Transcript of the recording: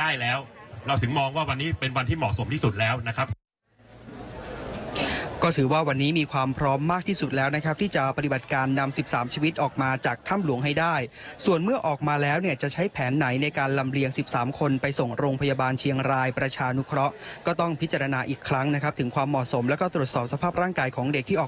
ได้แล้วเราถึงมองว่าวันนี้เป็นวันที่เหมาะสมที่สุดแล้วนะครับก็ถือว่าวันนี้มีความพร้อมมากที่สุดแล้วนะครับที่จะปฏิบัติการนำ๑๓ชีวิตออกมาจากถ้ำหลวงให้ได้ส่วนเมื่อออกมาแล้วเนี่ยจะใช้แผนไหนในการลำเลียง๑๓คนไปส่งโรงพยาบาลเชียงรายประชานุเคราะห์ก็ต้องพิจารณาอีกครั้งนะครับถึงความเหมาะสมแล้วก็ตรวจสอบสภาพร่างกายของเด็กที่ออก